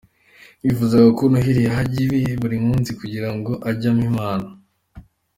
Nifuza ko Noheli yajya iba buri munsi kugirango ajye ampa impano .